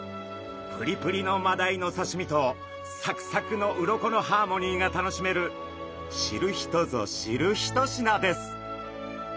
プリプリのマダイのさしみとサクサクの鱗のハーモニーが楽しめる知る人ぞ知る一品です。